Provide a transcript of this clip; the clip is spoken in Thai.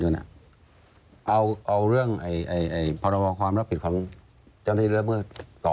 เอาเรื่องรียุทธรรมความรับผิด